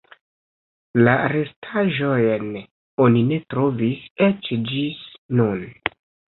La restaĵojn oni ne trovis eĉ ĝis nun.